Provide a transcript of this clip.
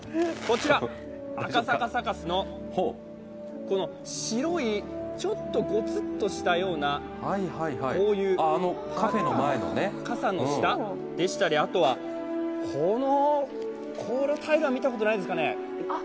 こちら、赤坂サカスの白い、ちょっとゴツッとしたようなカフェの前でしたり、あとは、このタイルは見たことないですかね？